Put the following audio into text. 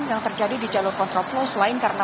yang terjadi di jalur kontraflow selain karena